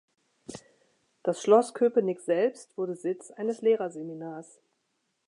Das Schloss Köpenick selbst wurde Sitz eines Lehrerseminars.